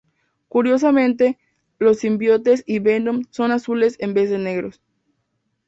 Curiosamente, los simbiontes y venom son azules en vez de negros.